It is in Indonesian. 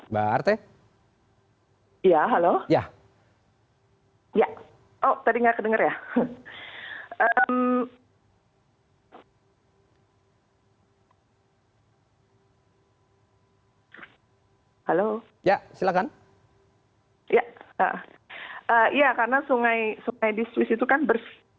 bagaimana menggambarkan ini mbak arte